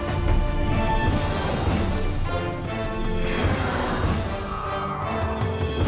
มันก็คือรักษาฐานคะแนนเขาให้เป็นข่าวอยู่เรื่อย